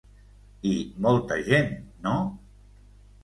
I molta gent, no?